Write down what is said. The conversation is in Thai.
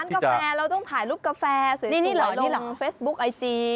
เวลาไปร้านกาแฟเราต้องถ่ายรูปกาแฟสวยสวยลงเฟซบุ๊กไอจี